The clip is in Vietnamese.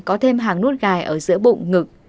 có thêm hàng nút gài ở giữa bụng ngực